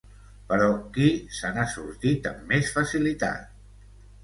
Però, qui se n’ha sortit amb més facilitat?